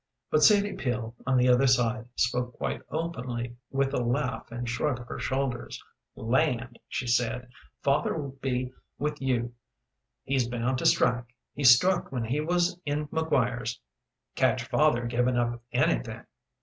But Sadie Peel, on the other side, spoke quite openly, with a laugh and shrug of her shoulders. "Land," she said, "father'll be with you. He's bound to strike. He struck when he was in McGuire's. Catch father givin' up anything.